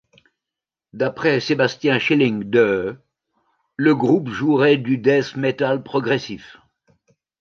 D'après Sebastian Schilling de ', le groupe jouerait du death metal progressif.